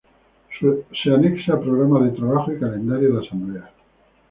Se anexa programa de trabajo y calendario de asambleas.